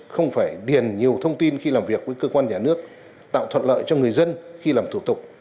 không phải điền nhiều thông tin khi làm việc với cơ quan nhà nước tạo thuận lợi cho người dân khi làm thủ tục